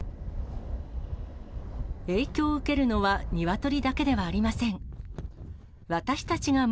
影響を受けるのはニワトリだけではありません。